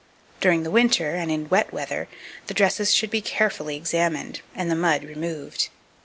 During the winter, and in wet weather, the dresses should be carefully examined, and the mud removed.